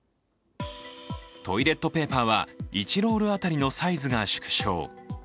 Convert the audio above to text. トイレットペーパーは１ロール当たりのサイズが縮小。